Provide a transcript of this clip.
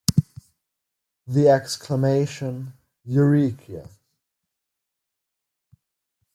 The exclamation 'Eureka!